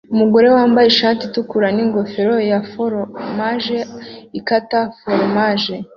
Umugore wambaye ishati itukura n'ingofero ya foromaje ikata foromaje